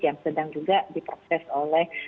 yang sedang juga diproses oleh